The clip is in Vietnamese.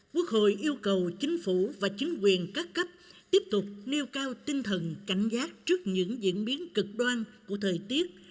quốc hội yêu cầu chính phủ và chính quyền các cấp tiếp tục nêu cao tinh thần cảnh giác trước những diễn biến cực đoan của thời tiết